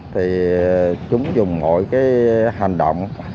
thì chúng dùng mọi cái hành động